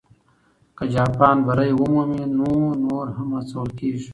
که جاپان بری ومومي، نو نور هم هڅول کېږي.